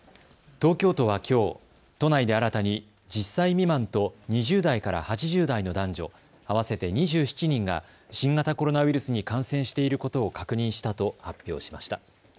東京都はきょう、都内で新たに１０歳未満と２０代から８０代の男女合わせて２７人が新型コロナウイルスに感染していることを確認したと発表しました。